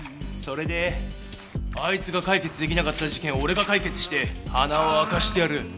それで「あいつが解決できなかった事件を俺が解決して鼻を明かしてやる。